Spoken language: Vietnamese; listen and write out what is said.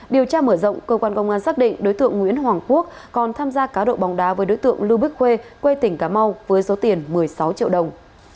điều tra mở rộng cơ quan công an xác định đối tượng nguyễn hoàng quốc còn tham gia cá độ bóng đá với đối tượng lưu bích khuê quê tỉnh cà mau với số tiền một mươi sáu triệu đồng